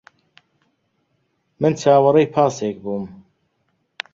من چاوەڕێی پاسێک بووم.